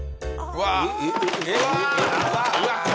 うわあっ！